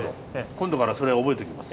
今度からそれ覚えておきます。